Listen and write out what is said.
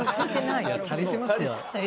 いや足りてますよ。